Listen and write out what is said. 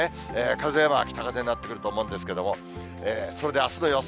風は北風になってくると思うんですけれども、それであすの予想